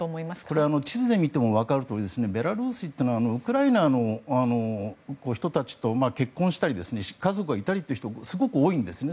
これは地図で見ても分かるとおりベラルーシというのはウクライナの人たちと結婚したり家族がいたりという人がすごく多いんですね。